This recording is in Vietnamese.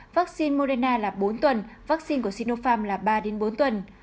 vaccine moderna là bốn tuần vaccine của sinopharm là ba bốn tuần